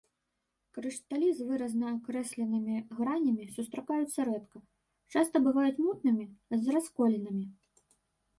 Крышталі з выразна акрэсленымі гранямі сустракаюцца рэдка, часта бываюць мутнымі, з расколінамі.